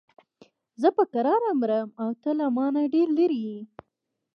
زه په کراره مرم او ته له مانه ډېر لرې یې.